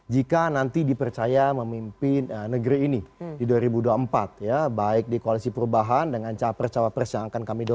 jika nanti dipercaya memimpin negeri ini di dua ribu dua puluh empat ya baik di koalisi perubahan dengan capres cawapres yang akan kami dorong